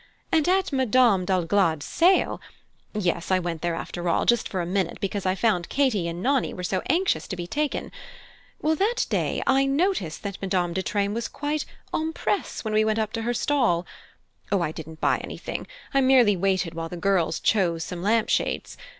And at Madame d'Alglade's sale yes, I went there after all, just for a minute, because I found Katy and Nannie were so anxious to be taken well, that day I noticed that Madame de Treymes was quite empressee when we went up to her stall. Oh, I didn't buy anything: I merely waited while the girls chose some lampshades.